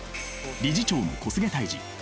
理事長の小菅泰治。